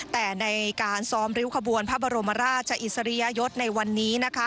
แต่ในการซ้อมริ้วขบวนพระบรมราชอิสริยยศในวันนี้นะคะ